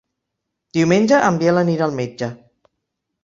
Diumenge en Biel anirà al metge.